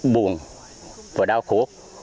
buồn và đau khổ